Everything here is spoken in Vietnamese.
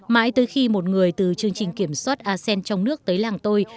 mãi tới khi một người từ chương trình kiểm soát asean trong nước tới làng tôi